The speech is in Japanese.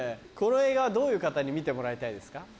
この映画はどういう方に見てもらいたいですか？